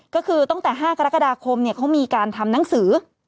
ก็คือตั้งแต่๕กรกฎาคมเขามีการทำหนังสือ